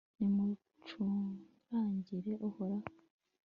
nimucurangire uhoraho